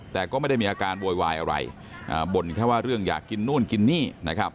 แต่ก็ไม่ได้มีอาการโวยวายอะไรบ่นแค่ว่าเรื่องอยากกินนู่นกินนี่นะครับ